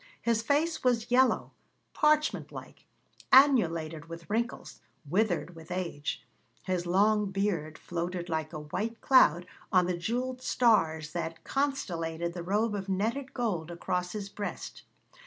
His face was yellow, parchment like, annulated with wrinkles, withered with age; his long beard floated like a white cloud on the jewelled stars that constellated the robe of netted gold across his breast.